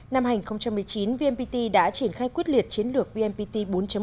năm hai nghìn một mươi chín vmpt đã triển khai quyết liệt chiến lược vnpt bốn